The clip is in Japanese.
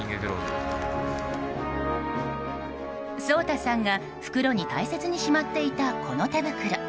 蒼大さんが、袋に大切にしまっていたこの手袋。